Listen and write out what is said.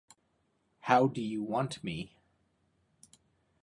How Do You Want Me?